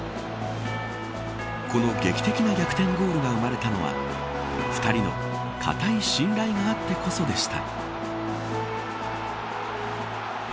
この劇的な逆転ゴールが生まれたのは２人の固い信頼があってこそのことでした。